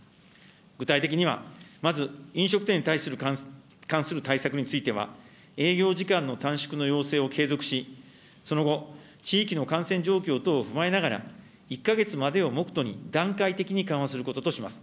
具体的には、まず飲食店に関する対策については、営業時間の短縮の要請を継続し、その後、地域の感染状況等を踏まえながら、１か月までを目途に段階的に緩和することとします。